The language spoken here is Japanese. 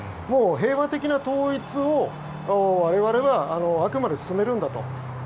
平和的な統一を我々はあくまで進めるんだと。